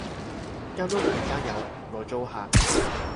間屋而家有五個租客